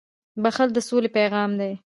• بښل د سولې پیغام دی.